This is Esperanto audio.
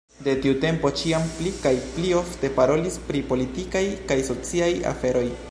De tiu tempo ĉiam pli kaj pli ofte parolis pri politikaj kaj sociaj aferoj.